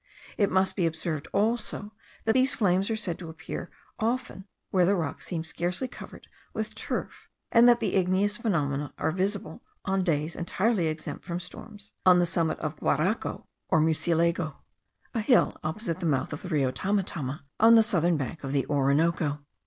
It must be observed also that these flames are said to appear often where the rock seems scarcely covered with turf, and that the same igneous phenomena are visible, on days entirely exempt from storms, on the summit of Guaraco or Murcielago, a hill opposite the mouth of the Rio Tamatama, on the southern bank of the Orinoco.